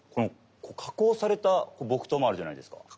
加工された木刀もあるじゃないですか。